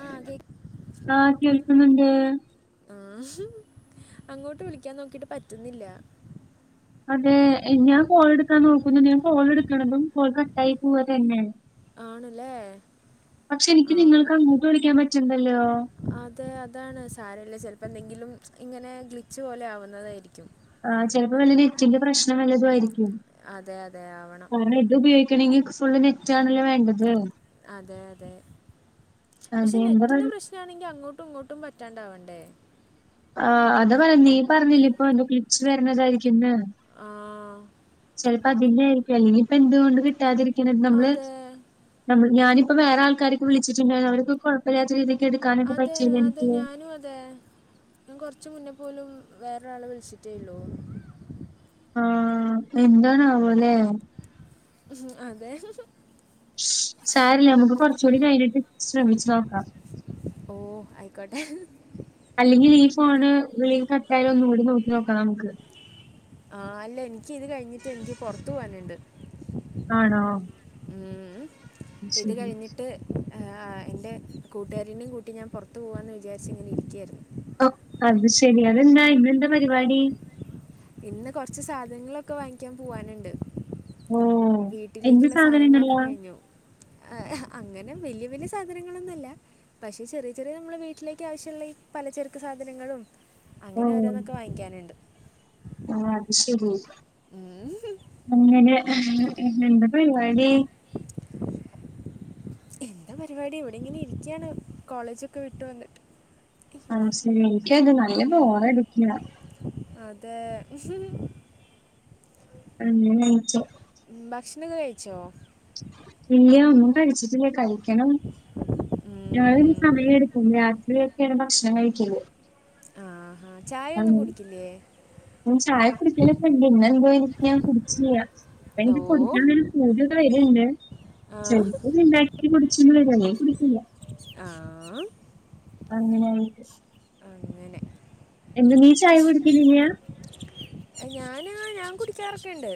ആ കേ ആഹ് കേൾക്കുന്നുണ്ട്- ആഹ് ഹും അങ്ങോട്ട് വിളിക്കാൻ നോക്കിട്ട് പറ്റുന്നില്ല. അതെ ഞാൻ കോൾ എടുക്കാൻ നോക്കുന്നുണ്ട് ഞാൻ കോൾ എടുക്കണതും കോൾ കട്ടായി പോവ തന്നെ ആണല്ലേ പക്ഷെ എനിക്ക് ആ നിങ്ങൾക്ക് അങ്ങട്ട് വിളി ക്കാൻ പറ്റ് ണ്ടല്ലോ? അതെ അതാണ് സാരല്ല ചെലപ്പോ എന്തെങ്കിലും ഇങ്ങനെ ഗ്ലിച്ച് പോലെ ആവുന്നതായിരിക്കും. ആഹ് ചെലപ്പോ വല്ല ലിറ്റിന്റെ പ്രശ്നം വല്ലതും ആയിരിക്കും. അതെ അതെ ആവണം. കാരണം ഇത് ഉപയോഗിക്കണങ്കിൽ ഫുള്ള് നെറ്റാണല്ലോ വേണ്ടത്- അതെ അതെ പക്ഷെ അതെ എന്താ പറ നെറ്റിന്റെ പ്രശ് റ്റ് ആണെങ്കി അങ്ങോട്ടും ഇങ്ങോട്ടും പറ്റാണ്ടാവണ്ടേ? ആഹ് അതാപറഞ്ഞെ നീ പറഞ്ഞില്ലെ ഇപ്പൊ എന്തോ ക്ലിപ്സ് വരുന്നതായിരിക്ക്ന്ന്- ആഹ് ചിലപ്പോ അതിന്റെ ആയിരിക്കും അല്ലെങ്കി ഇപ്പ എന്തുകൊണ്ട് കിട്ടാതിരിക്കണത് നമ്മള് അതെ നമ്മള് ഞാനിപ്പൊ വേറെ ആൾക്കാരിക്ക് വിളിട്ടുണ്ടായിരുന്നു അവര് ക്ക് കോഴപ്പല്ലാത്ത രീതിക്ക് എടുക്കാനൊക്കെ പറ്റിയല്ലോ എനിക്ക് [inaudible] അതേ ഞാൻ കൊറച് മുന്നേ പോലും വേറൊരാളെ വിളിച്ചിട്ടേള്ളൂ- ആഹ് എന്തണാവോലെ? ഉം അതെ സാരല്ല അമക്ക് കോറച്ചുടി കഴിഞ്ഞിട്ട് ശ്രമിച്ചു നോക്കാം- ഓഹ് അയിക്കോട്ടെ. അല്ലെങ്കിൽ ഈ ഫോണ് വിളി കട്ടായാല് ഒന്നുംകൂടി നോക്കി നോക്കണംനമക്ക്- ആഹ് അല്ല എനിക്ക് ഇത് കഴിഞ്ഞിട്ട് എനിക്ക് പോറത് പോവാനുണ്ട്. ആണോ? ഉം ഇത് ശരി. കഴിഞ്ഞി ട്ട് ഏൻ്റെ കൂട്ടുകാരിനികൂട്ടി ഞപുറത്ത് പോവാന്ന് വിചാരിച്ച ഇങ്ങനെ ഇരിക്കര് ന്നു ഹോ അത് ശെരി അതെന്താ ഇതി ന്റെ പരിവാടി? ഇന്ന് കൊറച്ച് സാധനങ്ങളൊക്കെ വാങ്ങിക്കാൻ പോവാനുണ്ട്. ഓ എന്ത് വീട്ടിലേക്കുള്ള സാധനങ്ങളൊക്കെ സാധനങ്ങളാ? കഴിഞ്ഞു. ആഹ് അങ്ങനെ വലിയ വല്യ സാധനങ്ങളൊന്നുല്ല പഷെ ചെറിയ ചെറിയ മ്മളെ വീട്ടിലേക്ക് ആവശ്യള്ള ഈ പല ചെരക്ക് സാധനങ്ങളും- അങ്ങനെ ഓരോന്നൊക്കെ വാങ്ങിക്കാനുണ്ട്- ആഹ് അത് ശരി ഉം. അങ്ങനെ എന്താ പരിവാടി? എന്താ പരിവാടി വിടെങ്ങനെ ഇരിക്കാണ് കോളേജൊക്കെ വിട്ടു വന്ന്ട്ട്- ആഹ് എനിക്കത് നല്ല ബോർടിക്കാണ് അതെ [unintelligible] തന്നെച്ചോ? ഭക്ഷണം കഴിച്ചോ? ഇല്ല ഒന്നും കഴിച്ചിട്ട്ല്ലകഴിക്കണം- ഉം. ഞാന് സമയം എടുക്കും രാത്രിയൊക്കെണ് ഭക്ഷണം കഴിക്കല് ആഹ് ചായന്നും കുടിക്കില്ലേ? നാ ചായ കുടിക്കലക്കെ ഇണ്ട് ഇ ന്ന് എന്തോ ഇ ഞാൻ കുടിച്ല്ലാ- ഇപ്പ ഓ എനിക്ക് കുടിക്കാനൊര പൂതി വര്ന്ണ്ട് ആ ചെലപ്പോന്ന്ണ്ടാ ആഹ് കുടിച്ചതെ കുടിക്കില്ല- ആഹ് അങ്ങനായിട്ട് അങ്ങനെ- എന്ത് നീ ചായ കുടിക്കലല്ല? ഞാന് ഞ കുടിക്കാറൊക്കെണ്ട്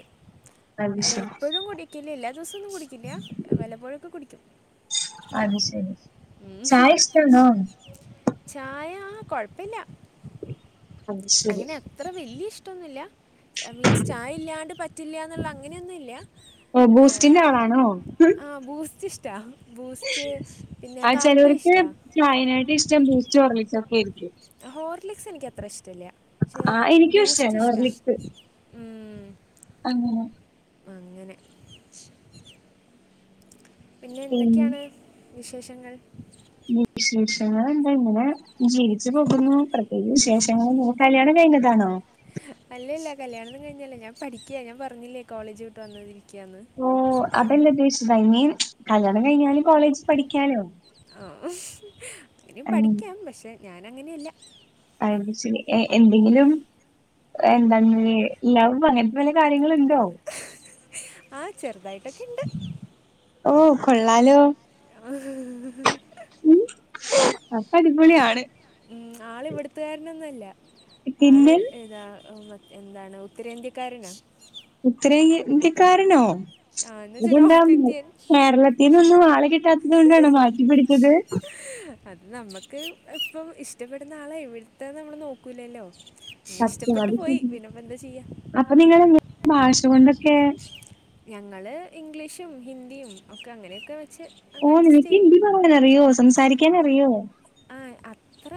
അത് ശരി എപ്പോഴും കുടിക്കില്ല എല്ലാ ദിവസന്നും കുടിക്കില്ല വല്ലപ്പോഴൊക്കെ കുടിക്കും അത് ശരി ചായഷ്ടാണോ ചായ കൊഴപ്പില്ല അത് ശരി. അങ്ങനെ അത്ര വല്യ ഇഷ്ടന്നുല്ല മീൻസ് ചായ ഇല്ലാണ്ട് പറ്റില്ല ന്നുള്ള അങ്ങനെന്നുല്ല ഓ ആഹ് ബൂസ്റ്റിന്റെ ആളാണോ? ആബൂസ്റ്റ് ഇഷ്ടാ ബൂസ്റ്റ് പിന്നെ കാപ്പി ഇഷ്റ്റാ ചായ നായിട്ട് ഇഷ്ടം ബൂസ്റ്റ്ഹോർളി ക്സ്ക്കെയിരിക്കും ഹോർലിക്സ് എനിക്ക് അത്ര ഇഷ്ടല്ല ക്ഷേ ആ എനിക്കും ബൂസ്റ്റ് ഇഷ്ടാണ് ഇഷ്ട ഹോർലിക്സ് ഉം അങ്ങനെ അങ്ങനെ [inaudible] പിന്നെ എന്തൊക്കെണ് വിശേഷങ്ങൾ വിശേഷങ്ങൾ എന്താ ഇങ്ങനെ ജീവിച്ചു പോകുന്നുപ്ര ഏശേഷങ്ങൾ ന്നും കല്യാണം കഴിഞ്ഞതാണോ അല്ലല്ല കല്യാണന്നും കഴിഞ്ഞല്ലഞാ പഠിക്ക ഞാപറഞ്ഞില്ലേ കോളേജ് വിട്ട് വന്ന ഇരിക്കാന്ന് ഓഹ് അതല്ല ഉദ്ദേശിച്ചത ഐമിൻ കല്ണം കഴിഞ്ഞാലും കോളേജിൽ പഠിക്കാലോ ആഹ് ഇനി അങ്ങനെ പഠിക്കാം പക്ഷെ ഞാൻ അങ്ങനെയല്ല അ ത് ശരി എ എന്തെങ്കിലും എന്താ ലൗ അങ്ങനത്തെ വല്ല കാര്യങ്ങളുണ്ടോ ആഹ് ചെറുതായിട്ടൊക്കെ ഇണ്ട് ഓഹ് കൊള്ളാലോ [unintelligible] ഉം അപ്പോടിപൊളിയാണ് ഉം ആളിവിടുത്തുകാരനൊന്നും അല്ല ആള് പിന്നെ ഏതാ എന്താണ് ഉത്തരേന്ത്യക്കാരന ഉത്തരേന്ത്യ ഇന്ത്യക്കാരനോ ആ എന്ന് വെച്ചാൽ അതുകൊണ്ടാ നോർത്ത് ഇന്ത്യൻ കേരളത്തിനോന്നും ആളെ കിട്ടാത്തതോണ്ടാണോ മാറ്റിപിടിച്ചത് അത് നമ്മുക്ക് ഇപ്പം ഇഷ്ടപ്പെടുന്ന ആളെ എവിടത്തെന്ന് നമ്മള് നോക്കൂലല്ലോ സത്യം ഇഷ്ടപ്പെട്ടു അത് ശ പോയി പിന്നിപ്പ എന്താ ചെയ്യാ അപ്പൊ നിങ്ങള് എങ്ങനാ ഭാഷ കൊണ്ടൊക്കെ ഞങ്ങള് ഇംഗ്ലീഷും ഹിന്ദിയും ഒക്കെ അങ്ങനെയൊക്കെ വെച്ച് ഓ അങ്ങ് അഡ്ജസ്റ്റ് നിനക്ക് ചെയ്യും ഹിന്ദി പറയാനറിയോ സംസാരിക്കാനറിയോ ആഹ് അത്ര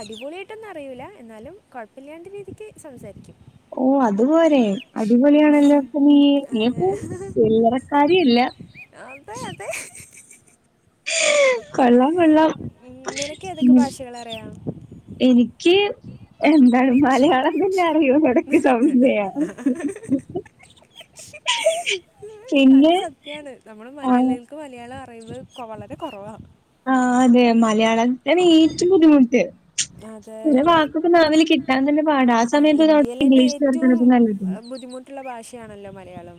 അടിപോളിയായിട്ടൊന്നും അറിയുല്ല എന്നാലും കുഴപ്പില്ലാണ്ട് രീതിക്ക് സംസാരിക്കും ഓ അതുപോരെ അടിപൊളിയണല്ല പ്പ നീ അതെ നിയപ്പോ ചില്ലറക്കാരിയല്ല അതെ അതെ കൊള്ളാം കൊള്ളാം ഉം നിനക്ക് ഏതൊക്കെ ഉം ഭാഷകളറിയാം എനിക്ക് എന്താണ് മലയാളം തന്നെ അറിയോന് എടക്ക്‌ സംശയാണ് അത് പിന്നെ സത്യാണ് നമ്മള് ആഹ് മലയാളി മലയാളം അറിവ് വളരെ കുറവാ ആഹ് അതെ മലയാള ഏറ്റവും ബുദ്ധിമുട്ട് ചെല അത് വാക്കൊക്കെ നാവില് കിട്ടാൻ തന്നെ പാടാ ആ സമയത്ത് [inaudible] ഇംഗ്ലീഷ് നല്ല [unintelligible] ള്ള ഭാഷയാണല്ലോ മലയാളം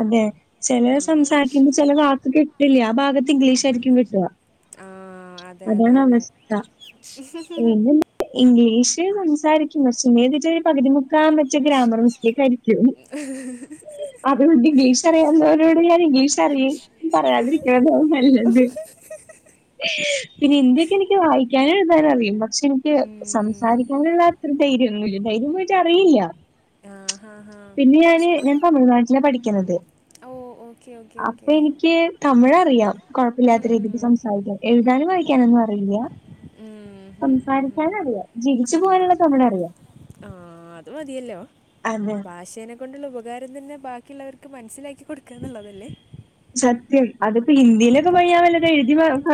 അതെ ചെലര് ഉം. സംസാരിക്കുമ്പോ ചില വാക്ക് കിട്ടില്ല ആ ഭാഗത്ത് ഇംഗ്ലീഷ് ആായിരിക്കും കിട്ട ആ അതെ അതെ അതാണ് അതെ അവസ്ഥ ഇംഗ്ലീഷ് സംസാരിക്കും പക്ഷെ ഒരു പകുതി മുക്കാലും മച്ചേ ഗ്രാമർ മിസ്റ്റേക്ക് ആയിരിക്കും [unintelligible] അതുകൊണ്ട് ഇംഗീഷറിയാവുന്നവരോട് ഞാൻ ഇംഗീഷ് അറിയ പറയാതിരിക്കുന്നത നല്ലത് പിന്നെ ഹിന്തിക്കെ എനിക്ക് വായിക്കാനും എഴുതാനും അറിയും പക്ഷെ എനിക്ക് ഉം. സംസാരിക്കാനോള്ളാ അത്ര ധൈര്യൊന്നുല്ലാ ധൈര്യം വച്ച അറിയില്ല ആ ഹാ ഹാ പിന്നെ ഞാന് ഞാൻ തമിഴ്നാട്ടില് പഠിക്കുന്നത് ഓ ഓക്കെ ഓക്കെ അപ്പൊ ഓക്കെ എനിക്ക് തമിഴറിയാം കൊഴപ്പില്ലാത്ത രീതിക്ക് ഉം. സംസ എഴുതാനും വായിക്കാനൊന്നും അറിയില്ല ഉം, ഹും, ഹും, ഹും. സംസാരിക്കാൻ അറിയ ജീവിച്ചു പോകാനുള്ള തമിഴ് അറിയാം ആഹ് അത് മതിയല്ലോ അതെ ഭാഷേനെ കൊണ്ടുള്ള ഉപകാരം തന്നെ ബാക്കിയുള്ളവർക്ക് മനസ്സിലാക്കി കൊടുക്ക എന്നുള്ളതല്ലേ സത്യം അതിപ്പോ ഇന്ത്യയിലൊക്കെ പഴിയാൻമല്ലത എഴുതി മാും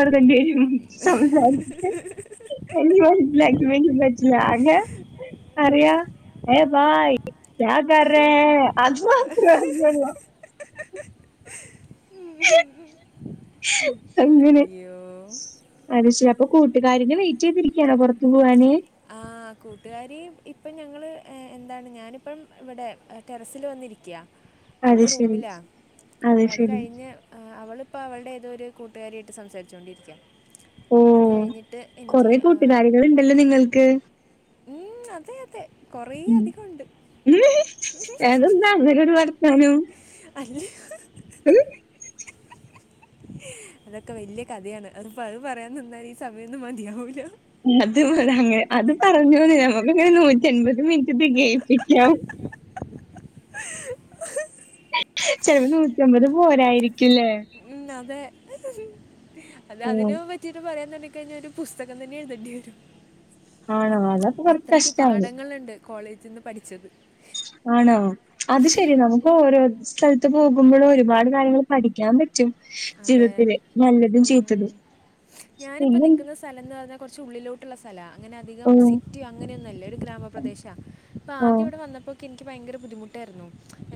[unintelligible] [unintelligible] അറിയ ഏഹ് ഭായ് ക്യാ കർ റേ അത് ആ. മാത്രം അറിയൊള്ളു അങ്ങനെ അയ്യോ അത് ശരി അപ്പൊ കൂട്ടുകാരിനെ വെയിറ്റെയ്തിരിക്കണോ പുറത്തു പോവാന് ആഹ് കൂട്ടുകാരി ഇപ്പം ഞങ്ങള് എന്താണ് ഞാനിപ്പം ഇവിടെ ടെറസിൽ വന്നിരിക്കയാ അത് അവള് ശരി റൂമിലാ അപ്പ അത് കഴിഞ്ഞ് അവളിപ്പോ അവളടെ ഏതോ ഒരു കൂട്ടുകാരിയായിട്ട് സംസാരിച്ചോണ്ടിരിക്കാ ഓ അത് കഴിഞ്ഞിട്ട് എനിക്ക് കൊറേ ആഹ് കൂട്ടുകാരികൾ ഉണ്ടല്ലോ നിങ്ങൾക്ക് ഉം അതെ അതെ കൊറേ അധികം ഉണ്ട് ഉന്ന് അതെന്താ അങ്ങനൊരു വർത്താനം അല്ല ഉം അതൊക്കെ വലിയ കഥയാണ് അത്പ്പോ അത് പറയാൻ നിന്നാല് ഈ സമയൊന്നും മതിയാവൂല അത് അനെ അത് പറഞ്ഞോന്ന നമ്മക്ക്ങ്ങനെ നൂറ്റി എൻപത് മിനിറ്റ്തെ കയിപ്പിക്കാം ചില നൂറ്റിമ്പത് പോരായിരിക്കുല്ലേ ഉമ് അതെ അത് ഉം അതിനന് പറ്റി യത് പറയാൻ കഴിഞ്ഞ ഒരു പുസ്തകം തന്നെ എഴു തെണ്ടിരും ആണോ അതപ്പൊ കൊറച്ച് അത്രക്ക് കഷ്ടാണ് പാഠങ്ങളുണ്ട് കോളേജ്ന്ന് പഠിച്ചത് ആണോ അത് ശെരി നമുക്ക് ഓരോ സ്ഥലത്ത് പോകുമ്പോളും ഒരുപാട് കാര്യങ്ങള് പഠിക്കാൻ പറ്റ് അതെ ജീവിതത്തില് നല്ലതും ചീത്തതും പിന്നെ സ്ഥലന്ന് പറഞ്ഞാ കുറച്ച് ഉള്ളിലോട്ട് സ്ഥല അങ്ങനെ അധികം ഓ സിറ്റിയോ അങ്ങനെ ഒന്നുംല്ല ഒരു ഗ്രാമപ്രദേശ അപ്പൊ ആദ്യം ആഹ് ഇവിടെ വന്നപ്പോ എനിക്ക് ഭയങ്കര ബുദ്ധിമുട്ടായിരുന്നു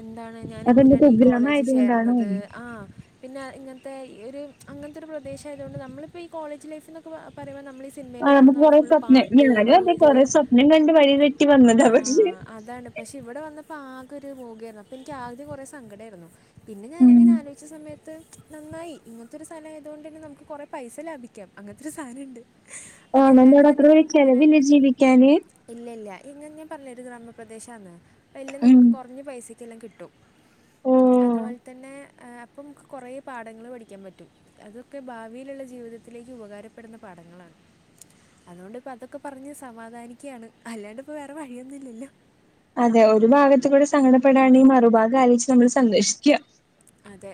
എന്താണ് ഞാൻ അതെന്താ എന്തിനാണ് ഈ കോളേജി കുഗ്രാമായത് കൊണ്ടാണോ? ചേർന്നത് ആഹ് പിന്നെ ഇങ്ങനത്തെ ഒരു അങ്ങനത്തെ ഒരു പ്രദേശമായതോണ്ട് നമ്മളിപ്പ ഈ കോളേജ് ലൈഫന്നൊക്കെ പറയുമ്പോ നമ്മൾ സിനിമയിൽ ആഹ് കാണുന്ന നമുക്ക് പോലെ കൊറേ ഫുള്ള് സ്വപ്നം പാട്ട് ഞാനും അതെ കൂത്ത് കൊറേ സ്വപ്നം കണ്ട് വഴി തെറ്റി വന്നതാ പക്ഷെ ആഹ് അതാണ് പക്ഷെ ഇവിടെ വന്നപ്പോ ആകെ ഒരു മൂകായിരുന്നു അപ്പൊ ഇനിക്ക് ആദ്യം കുറേ സങ്കടായിരുന്നു പിന്നെ ഉം ഞാനിങ്ങനെ ആലോചിച്ച സമയത്ത് നന്നായി ഇങ്ങനത്തെ ഒരു സ്ഥലായതുകൊണ്ട് തന്നെ നമുക്ക് കുറേ പൈസ ലാഭിക്കാം അങ്ങനത്തെ ഒരു സാനെണ്ട് ആണന്തോട അത്ര ചിലവില്ല ജീവിക്കാന് ഇല്ല ഇല്ല ഇങ്ങ ഞാൻ പറഞ്ഞെ ഒരു ഗ്രാമപ്രദേശാന്ന് അ എല്ലം ഉം നമുക്ക് കുറഞ്ഞ പൈസക്ക് എല്ലാം കിട്ടും ഉം അതുപോലെ തന്നെ അപ്പൊ കൊറേ പാഠങ്ങള് പഠിക്കാൻ പറ്റും അതൊക്കെ ഭാവിയിലുള്ള ജീവിതത്തിലേക്ക് ഉപകാരപ്പെടുന്ന പാഠങ്ങളാണ് അതുകൊണ്ടി പ്പ അതൊക്കെ പറഞ്ഞ് സമാധാനരിക്കണ് അല്ലാണ്ട് ഇപ്പോ വേറെ വഴിയൊന്നും ഇല്ലല്ലോ അതെ ഒരു ഭാഗത്ത് കൂടെ സങ്കടപ്പെടാണെങ്കി മറുഭാഗം ആലോചിച്ച് നമ്മള് സന്തോഷി ക്കാ അതെ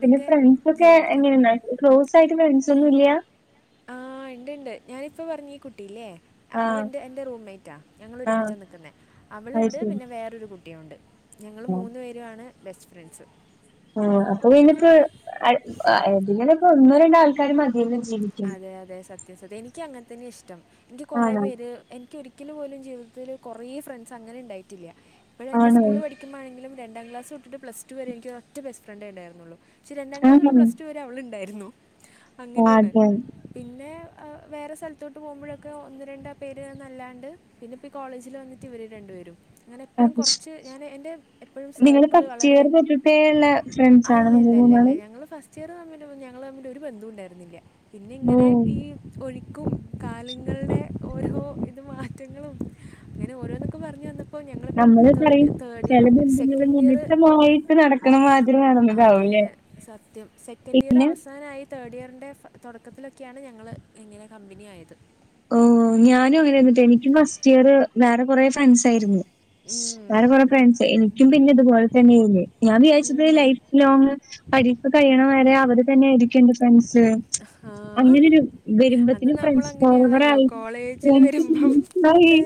പിന്നെ ഫ്രണ്ട്സ് ഒക്കെ ജീവിക്കണം എങ്ങനെയ ക്ലോസ് ആയിട്ട് ഫ്രണ്ട്സ് ഒന്നും ഇല്ല ആഹ് ഇണ്ട് ഇണ്ട് ഞാനിപ്പ പറഞ്ഞീ കുട്ടില്ലേ ആഹ് അവളെൻ്റെ റൂംമേറ്റാ ഞങ്ങളൊ ആഹ് രുമിച്ചാ നിൽക്കുന്നെ അത് അവളുണ്ട് ശരി പിന്നെ വേറൊരു കുട്ടിയുണ്ട് ഞങ്ങൾ മൂന്ന്പേരുമാണ് ബെസ്റ്റ് ഫ്രണ്ട്സ് ആ അപ്പൊ പിന്നപ്പോ ഒന്നോ രണ്ടോ ആൾക്കാര് മതി അതെ അതെ സത്യം സത്യം എനിക്ക് അങ്ങനെ തന്നെ ഇഷ്ടം എനിക്ക് കൊറെേ ആണോ പേര് എനിക്ക് ഒരിക്കലു പോലും ജീവിതത്തില് കുറേ ഫ്രണ്ട്സ് അങ്ങനെ ഉണ്ടായിട്ടില്ല ഇപ്പഴും ആണോ സ്കൂൾ പഠിക്ക ണെങ്കിലും രണ്ടാം ക്ലാസ് തൊട്ട് പ്ലസ്റ്റു വരെ എനിക്ക് ഒറ്റ ബെസ്റ്റ് ഫ്രണ്ടേ ഉണ്ടായിരുന്നുള്ളൂ പക്ഷെ രണ്ടാം രണ്ടാം ക്ലാസ് തോട്ട് ആഹ് പ്ലസ്ടു വരെ അവളുണ്ടായിരുന്നു അങ്ങനെയാണ് അതെ പിന്നെ വേറെ സ്ഥലത്തോട്ട് പോകുമ്പോഴൊക്കെ ഒന്ന് രണ്ട് പേര് ന്ന ല്ലാണ്ട് പിന്നെ പ്പൊ കോളേജിൽ വന്നിട്ട് ഇവര് രണ്ട്പേരും ഞാനെപ്പെഴും അത് ശ കുറച്ച് ഞാൻ എൻ്റെ എപ്പോഴും നിങ്ങള് സർക്കിള് ഫസ്റ്റ് വളരെ ഇയർ തൊട്ടിട്ടേ ഉള്ള ഫ്രണ്ട്സാണോ നിങ്ങൾ അല്ലല്ലല്ല ഇല്ല മൂന്നാളും? ഞങ്ങള് ഫസ്റ്റ് ചെറുതമ്മൻറെ ഞങ്ങളമ്മിൽ ഒരു ബന്ധും ഉണ്ടായിരുന്നില്ല പിന്നെ ഓ ഇങ്ങനെ ഈ ഒഴിക്കും കാലങ്ങളുടെ ഓരോ ഇത് മാറ്റങ്ങളും അങ്ങനെ ഓരോന്നക്കെ പറെഞ് ഇപ്പോൾ ഞങ്ങളിപ്പം നമ്മള് പറയും തേഡ് തേർഡ് ഇയർ ചില ബന്ധങ്ങള് സെക്കൻഡ് ഇയർ നിമിത്തമായിട്ട് നടക്കണ മാതിരി അതെ നടന്നതാവുംല്ലേ? സത്യം സെക്കൻഡ് ഇയർ അവസാന ആയി തേർഡ് ഇയറിൻ്റെ തുടക്കത്തിലൊക്കെയാണ് ഞങ്ങൾ ഇങ്ങനെ കമ്പനി ആയത് ഓ ഞാനും അങ്ങനെ വന്നിട്ട് എനിക്കും ഫസ്റ്റ് ഇയർ വേറെ കൊറെ ഫ്രൻസ് ആയിരുന്നു ഉം, വേറെ കൊറെ ഫ്രണ്ട്സ് എനിക്കും പിന്നെ ഇതുപോലെ തന്നെയിന് ഞാൻ വിചാരിച്ചത് ഉം. ലൈഫ ലോങ് പഠിപ്പ് കഴിയണ വരെ അവര് തന്നെയായിരിക്കു എന്റെ ഫ്രണ്ട്സ് ആ അങ്ങനെരു അത് വരുമ്പോത്തിനും ഫ്രണ്ട് നമ്മളങ്ങനെയാണല്ലോ ഓവറായി കോളേജിൽ ഫ്രൻസ് വരുമ്പം ഗ്രൂപ്പായി അതെ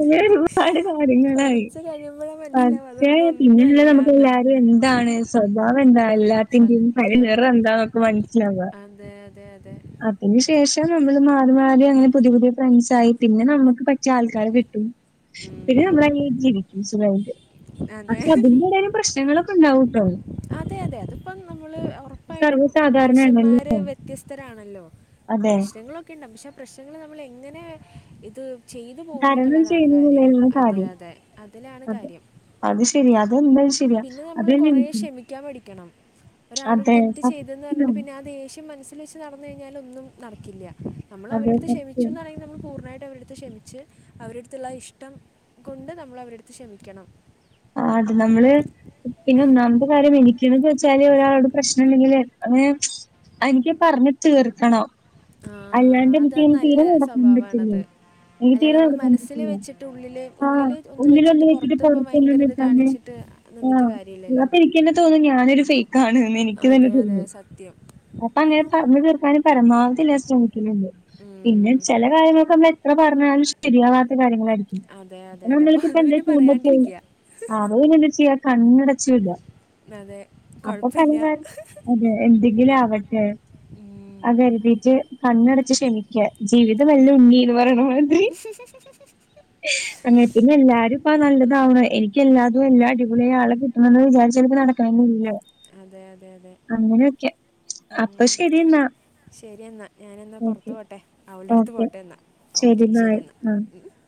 അങ്ങനെ ഒരുപാട് കാര്യങ്ങളായി കുറച്ച് കഴിയുമ്പോഴാണ് മനസ്സിലാവും പക്ഷേ അതൊന്നും പിന്നെ ഒന്നുമല്ല നമുക്ക് എന്ന് അത് വെൽതാണ് സ്വഭാവം എന്താ എല്ലാത്തിന്റിം സത്യം തനിനിറം എന്താന്നൊക്കെ മനസ്സിലാവ അതെ അതെ അതെ അതിനു ശേഷം നമ്മള് മാറി മാറി അങ്ങനെ പുതിയ പുതിയ ഫ്രൻസായി പിന്നെ നമ്മുക്ക് പറ്റി റ്റ്യേ ആൾക്കാരെ കിട്ടും പിന്നെ ഉം. നമ്മളങ്ങനെ ജീവിക്കും സുഖായിട്ട് അതെ പക്ഷെ അതിന്റെടേലും പ്രശ്നങ്ങളൊക്കെ ണ്ടാവൂട്ടോ അതെ അതെ അതെ ഇപ്പം നമ്മള് ഉറപ്പായിട്ടും സർവ്വസാധാരണയാണല്ലോ. മനുഷ്യന്മാര് വ്യത്യസ്തരാണല്ലോ അതെ. പ്രശ്നങ്ങളൊ ഒക്കെണ്ടാവും പക്ഷെ ആ പ്രശ്നങ്ങൾ നമ്മൾ എങ്ങനെ ഇത് ചെയ്തു തരണം പോണൂന്ന്ള്ളതാണ് കാര്യം ചെയ്യുന്നതിലുള്ള അതെ കാര്യം. അതെ അതിലാണ് അതെ. കാര്യം അത് ശെരി അതെന്തായാലും ശെരിയാ അതെന്നെ എനിക്കും ക്ക്യാം പഠിക്കണം ഒരാളൊരു അതെ തെറ്റ് ചെയ്തെന്ന് പറഞ്ഞിട്ട് സത്യം. പിന്നെ ആ ദേഷ്യം മനസില് സ്സില് വെച്ച് കഴിഞ്ഞാൽ ഒന്നും നടക്കില്ല. അതെ നമ്മളവര്ടെട്ത്ത് സത്യം. ക്ഷമിച്ചുന്ന് പറയു നമ്മൾ പൂർണ്ണായിട്ട് അവര്ടടുത്ത് ക്ഷമിച്ച് അവര്ടെ ആഹ് അട്ത്ത്ള്ള ഇഷ്ടം കൊണ്ട് നമ്മള് അവര്ടത്ത് ക്ഷമിക്കണം ആഹ് അത് നമ്മള് പിന്നെ ഒന്നാമത്തെ കാര്യം എനിക്ക് വെച്ചാല് ഒരാളോട് പ്രശ്നം ഇണ്ടെ ങ്കില് അങ്ങനെ അതെനിക്ക് പറഞ്ഞി തീർക്കണം ആ ഹാ ഹാ. അല്ലാണ്ടെനിക്ക് അതത് നല്ല തീരെ നടക്കാൻ പറ്റില്ല സ്വഭാവമാണത് എനിക്ക് അല്ല തീരെ നമ്മൾ നടക്കാൻ മനസ്സിൽ പറ്റില്ല വെച്ചിട്ട് ഉള്ളിൽ ആഹ് ഉള്ളിൽ ഒന്ന് വെച്ചിട്ട് ഉള്ളിലൊന്ന് ഇട്ടിട്ട് ഇപ്പം പുറത്ത് ഭയങ്കര ഇത് [unintelligible] അതെ കാണിച്ചിട്ട് നിന്നിട്ട് ആഹ് കാര്യമില്ലല്ലോ അപ്പൊ ഇനിക്കന്നെ തോന്നും ഞാനൊരു ഫേക്കാണ്ന്ന് എനിക്ക് തന്നെ അതെ അതെ തോന്നും സത്യം അപ്പ അങ്ങനെ പറഞ്ഞു തീർക്കാനും പരമാവധി ഞാൻ ശ്രമിക്ക്‌ന്ന്ണ്ട് പിന്നെ ഉം. ചെലേ കാര്യങ്ങൊക്കെ എത്ര പറഞ്ഞാലും ശരിയാവാത്ത കാര്യങ്ങളായിരിക്കും അതെ അപ്പൊ അതെ അതെ അപ്പോൾ നമ്മൾക്കിപ്പ അത് എന്താ പിന്നെ ചെയ്യുമ്പോത്തേ പറയാണ്ടിരിക്കുക അത് പിന്നെ എന്താ ചെയ്യാ കണ്ണടച്ച് വിടാ അതെ അപ്പൊ കുഴപ്പമില്ല [unintelligible] അതെ എന്തെങ്കിലും ആവട്ടെ ഉം, അതെര്തീറ്റ് കണ്ണടച്ച് ക്ഷമിക്കാ ജീവിതം എല്ലം അതെ ഉണ്ണീന്ന് പറീണ മാതിരി അങ്ങനെ പിന്നെ എല്ലാരും ഇപ്പ നല്ലതാവണം എനി ക്ക്‌ എല്ലാതും എല്ലാ അടിപൊളി ആളെ കിട്ടണന്ന് വിചാരിച്ചനിക്ക് നടക്കണെന്നുല്ല അതെ അതെ അതെ അങ്ങനെയൊക്കെ അപ്പ ശെരി എന്നാ ശെരി എന്നാ ഞാനെന്നാ പൊർത്ത് ഓക്കെ. പോട്ടെ അവളെട്ത്ത് ഓക്കെ. പോട്ടെ എന്നാ ശരി ഓക്കെ ബൈ. ശെരി എന്നാ ആ. ഉം